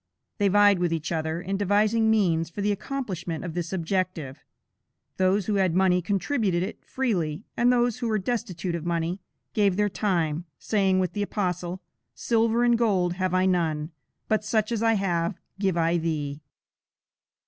They vied with each other in devising means for the accomplishment of this object. Those who had money contributed it freely, and those who were destitute of money, gave their time, saying with the Apostle: "Silver and gold have I none; but such as I have, give I thee."